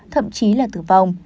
thậm chí là tử vong